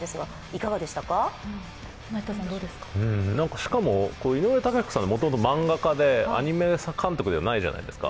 しかも、井上雄彦さんはもともと漫画家でアニメ監督じゃないじゃないですか。